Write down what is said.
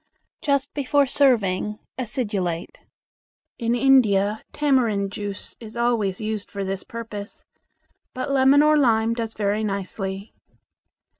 Just before serving acidulate. In India, tamarind juice is always used for this purpose, but lemon or lime does very nicely.